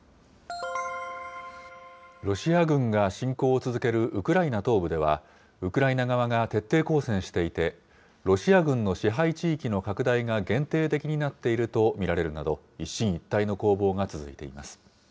ロシア軍が侵攻を続けるウクライナ東部では、ウクライナ側が徹底抗戦していて、ロシア軍の支配地域の拡大が限定的になっていると見られるなど、一進一退の攻防が続いています。